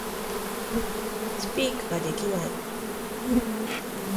Speak ができない